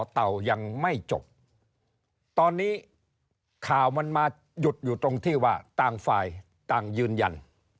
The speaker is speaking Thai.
ยังไม่จบตอนนี้ข่าวมันมาหยุดอยู่ตรงที่ว่าต่างฝ่ายต่างยืนยัน